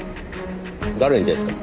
誰にですか？